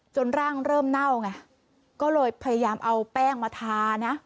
ร่างเริ่มเน่าไงก็เลยพยายามเอาแป้งมาทานะ